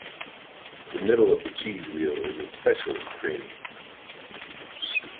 The middle of the cheese wheel is especially creamy.